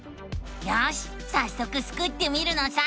よしさっそくスクってみるのさ！